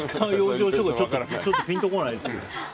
それがちょっとピンとこないですけど。